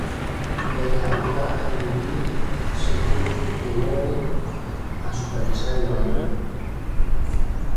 Ella ayuda a Henry Pym, She-Hulk y Wolverine a supervisar el evento.